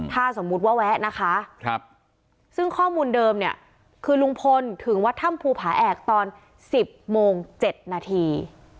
ถ้าสมมุติว่าแวะนะคะซึ่งข้อมูลเดิมเนี่ยคือลุงพลถึงวัดถ้ำภูผาแอกตอน๑๐โมง๗นาที